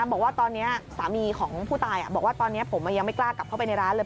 บอกว่าตอนนี้สามีของผู้ตายบอกว่าตอนนี้ผมยังไม่กล้ากลับเข้าไปในร้านเลย